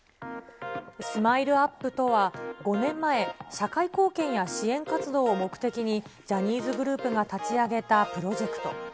スマイルアップとは、５年前、社会貢献や支援活動を目的に、ジャニーズグループが立ち上げたプロジェクト。